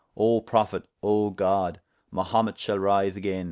O Prophet, O God, Mahumet shall ryse agayne!